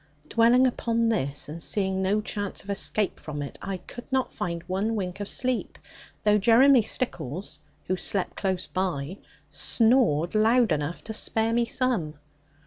Dwelling upon this, and seeing no chance of escape from it, I could not find one wink of sleep; though Jeremy Stickles (who slept close by) snored loud enough to spare me some.